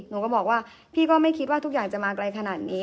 หนูก็บอกว่าพี่ก็ไม่คิดว่าทุกอย่างจะมาไกลขนาดนี้